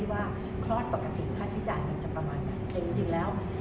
ว่าฆลอสประกัติศภาดฟิจารณ์มันจะประมาณแบบนั้นจริงจริงแล้ว